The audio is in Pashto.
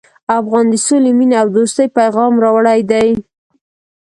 افغان د سولې، مینې او دوستۍ پیغام راوړی دی.